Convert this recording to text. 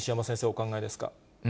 お考えですか。